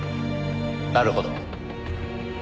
なるほど。